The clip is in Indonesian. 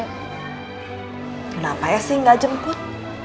kenapa esi gak jemput